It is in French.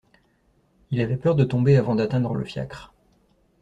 Il avait peur de tomber avant d'atteindre le fiacre.